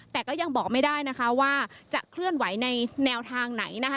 แต่ก็ยังบอกไม่ได้นะคะว่าจะเคลื่อนไหวในแนวทางไหนนะคะ